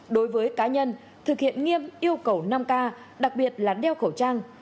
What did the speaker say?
đối với cá nhân thực hiện nghiêm yêu cầu năm k đặc biệt là đeo khẩu trang